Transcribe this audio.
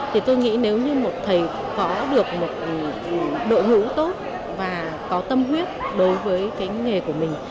thì tôi nghĩ nếu như một thầy có được một đội ngũ tốt và có tâm huyết đối với cái nghề của mình